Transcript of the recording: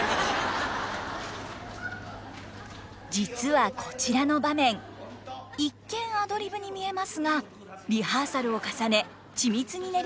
実はこちらの場面一見アドリブに見えますがリハーサルを重ね緻密に練り上げられたものでした。